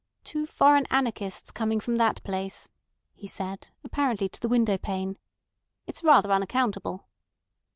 "Two foreign anarchists coming from that place," he said, apparently to the window pane. "It's rather unaccountable."